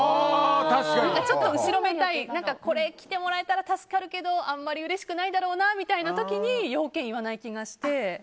ちょっと後ろめたいこれ来てもらえたら助かるけどあんまりうれしくないだろうなという時に用件を言わない気がして。